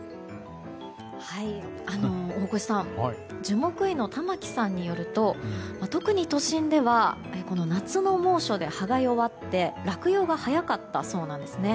大越さん樹木医の玉木さんによると特に都心ではこの夏の猛暑で葉が弱って落葉が早かったそうなんですね。